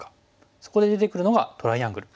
そこで出てくるのがトライアングル。